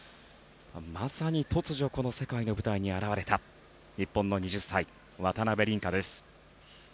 まさに突如、世界の舞台に現れた日本の２０歳、渡辺倫果です。